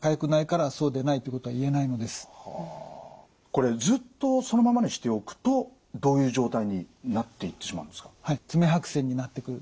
これずっとそのままにしておくとどういう状態になっていってしまうんですか？